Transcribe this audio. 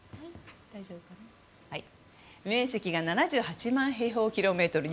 面積が７８万平方キロメートル。